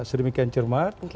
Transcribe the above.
semoga demikian cermat